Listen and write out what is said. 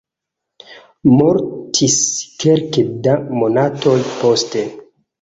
Mortis kelke da monatoj poste.